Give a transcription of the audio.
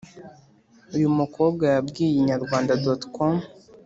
Uyu mukobwa yabwiye Inyarwanda.com